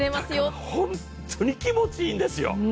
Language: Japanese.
だから本当に気持ちいいんですよ。